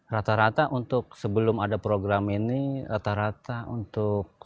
rata rata untuk sebelum ada program ini rata rata untuk